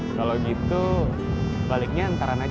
kalo gitu baliknya antaran aja deh ya